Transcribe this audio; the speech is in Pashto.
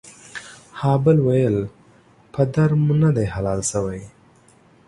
ها بل ويل پر در مو ندي حلال سوى.